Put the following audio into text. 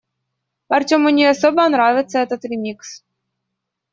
Артёму не особо нравится этот ремикс.